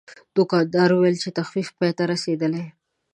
دوکاندار وویل چې تخفیف پای ته رسیدلی.